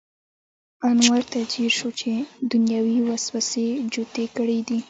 ان ورته ځیر شو چې دنیوي وسوسې جوتې کړې دي.